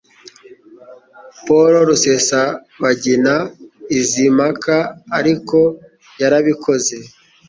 Paul RusesabaginaIzi mpaka ariko yarabikoze